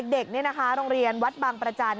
เด็กนี่นะคะโรงเรียนวัดบางประจันทร์